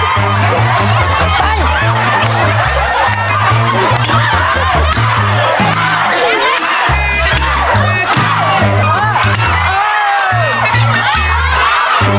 ไปไปไป